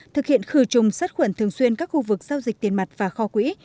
thực hiện khử trùng sát khuẩn thường xuyên các khu vực giao dịch tiền mặt và kho quỹ